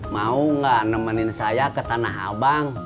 mau nggak nemenin saya ke tanah abang